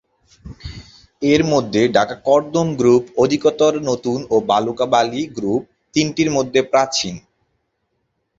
এরমধ্যে ঢাকা কর্দম গ্রুপ অধিকতর নতুন ও ভালুকা বালি গ্রুপ তিনটির মধ্যে প্রাচীন।